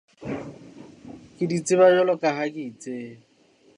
Ke di tseba jwalo ka ha ke itseba.